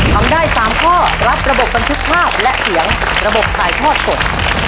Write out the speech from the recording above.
ทำได้๓ข้อรับระบบบันทึกภาพและเสียงระบบถ่ายทอดสด